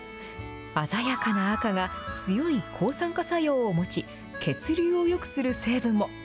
鮮やかな赤が、強い抗酸化作用を持ち、血流をよくする成分も。